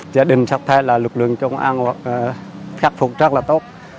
gia đình sắp thay là lực lượng công an khắc phục rất là tốt